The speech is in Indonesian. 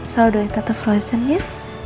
selalu dari tante frozen ya